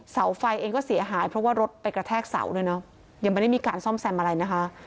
เสาไฟเองก็เสียหายเพราะว่ารถไปกระแทกเสาด้วยเนอะยังไม่ได้มีการซ่อมแซมอะไรนะคะ